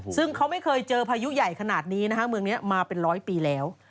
ซึ่งเขาไม่เคยเจอพายุใหญ่ขนาดนี้นะคะเมืองนี้มาเป็นร้อยปีแล้ว